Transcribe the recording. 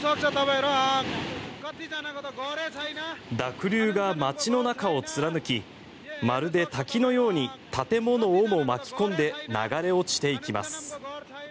濁流が街の中を貫きまるで滝のように建物をも巻き込んで流れ落ちていきます。